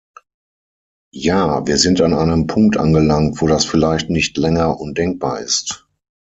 Ja, wir sind an einem Punkt angelangt, wo das vielleicht nicht länger undenkbar ist.